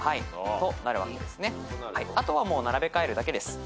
あとは並べ替えるだけです。